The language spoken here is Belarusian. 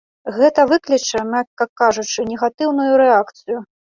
Гэта выкліча, мякка кажучы, негатыўную рэакцыю.